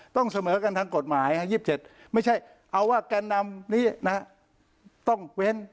ต้องเสมอกันทั้งกฎหมาย๒๗ไม่ใช่เอาว่าการนำนี้ต้องเว้น